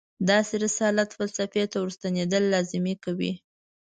داسې رسالت فلسفې ته ورستنېدل لازمي کوي.